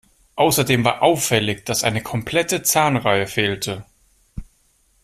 Außerdem war auffällig, dass eine komplette Zahnreihe fehlte.